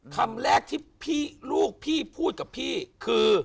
คำแรกที่ลูกพี่พูดกับพี่คือ